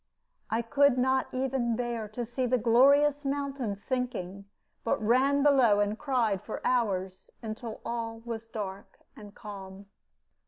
I could not even bear to see the glorious mountains sinking, but ran below and cried for hours, until all was dark and calm.